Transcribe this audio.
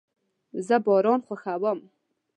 زه باران خوښوم